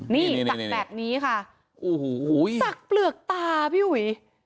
นี่สักแบบนี้ค่ะโอ้โหสักเปลือกตาพี่อุ๋ย